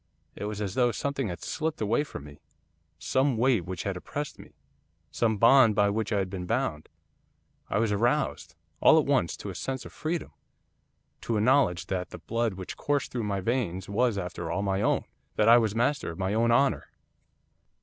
It was as though something had slipped away from me, some weight which had oppressed me, some bond by which I had been bound. I was aroused, all at once, to a sense of freedom; to a knowledge that the blood which coursed through my veins was after all my own, that I was master of my own honour.